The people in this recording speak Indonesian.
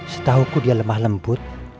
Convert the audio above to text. setahu ku dia lemah lembut